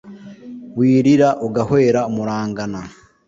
wirira ugahwera murangana.